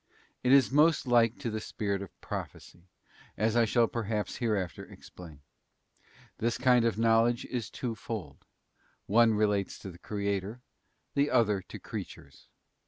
It is most like to the spirit of Prophecy, as I shall perhaps hereafter explain. This kind of knowledge is twofold: one relates to the Creator, the other to creatures.